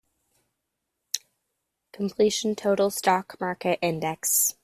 Completion Total Stock Market Index.